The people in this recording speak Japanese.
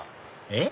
えっ？